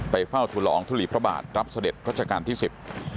เฝ้าทุลองทุลีพระบาทรับเสด็จรัชกาลที่สิบ